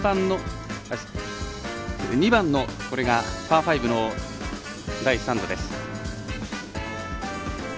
２番のパー５の第３打。